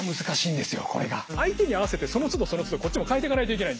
相手に合わせてそのつどそのつどこっちも変えていかないといけない。